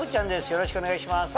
よろしくお願いします。